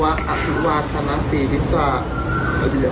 พระวักษณ์อภิวักษณศีรษฐ์ธรรมศีรษฐ์ภิซสรายังไง